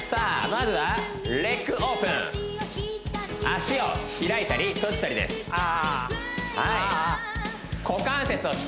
まずはレッグオープン脚を開いたり閉じたりですあはいあ